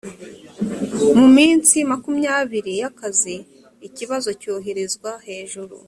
mu minsi makumyabiri y’akazi ikibazo cyoherezwa hejuru